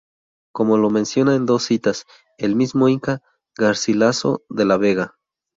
Como lo menciona en dos citas el mismo Inca Garcilaso de la Vega.